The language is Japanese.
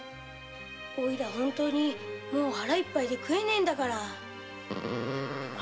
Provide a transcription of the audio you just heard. オイラもう本当に腹いっぱいで食えねえんだから。